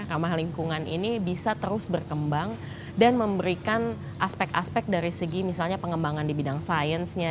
ramah lingkungan ini bisa terus berkembang dan memberikan aspek aspek dari segi misalnya pengembangan di bidang sainsnya